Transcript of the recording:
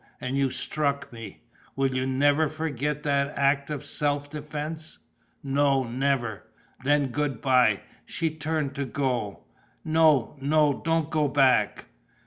And you struck me!" "Will you never forget that act of self defence?" "No, never!" "Then good bye." She turned to go. "No, no, don't go back.